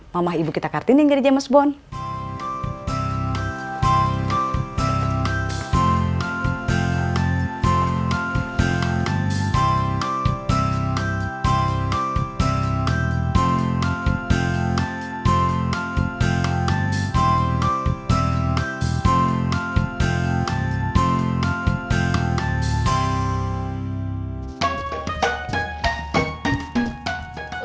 mamah ibu kita kartini yang jadi james bond